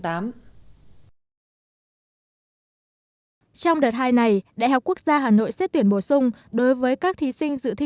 trong đợt hai này đhqh sẽ tuyển bổ sung đối với các thí sinh